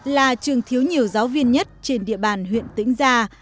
là trường thiếu nhiều giáo viên nhất trên địa bàn huyện tĩnh gia